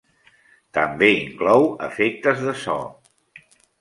També inclou efectes de so.